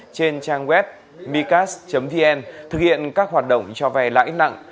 trên trang web micas vn thực hiện các hoạt động cho vay lãi nặng